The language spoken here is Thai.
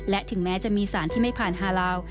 และถึงแม้จะมีสารที่ไม่ผ่านฮาลาว